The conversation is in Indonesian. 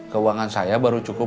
keuangan saya baru cukup